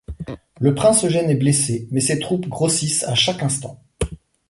Le prince Eugène est blessé, mais ses troupes grossissent à chaque instant.